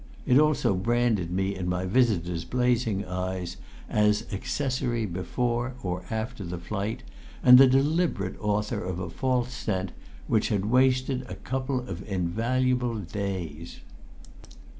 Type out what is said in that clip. It also branded me in my visitor's blazing eyes as accessory before or after the flight, and the deliberate author of a false scent which had wasted a couple of invaluable days.